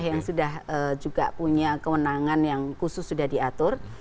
yang sudah juga punya kewenangan yang khusus sudah diatur